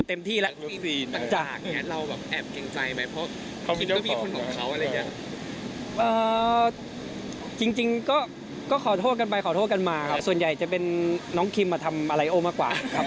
จริงก็ขอโทษกันไปขอโทษกันมาครับส่วนใหญ่จะเป็นน้องคิมมาทำอะไรโอมากกว่าครับ